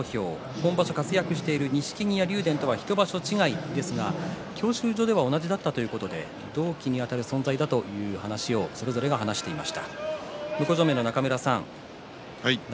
今場所、活躍している錦木や竜電とは１場所違いですが教習所では同じだったということで同期に寄せる存在だという話を話しています。